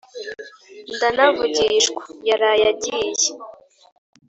Ndanavugishwa yaraye agiye